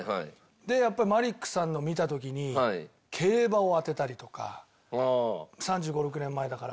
やっぱりマリックさんのを見た時に競馬を当てたりとか３５３６年前だから。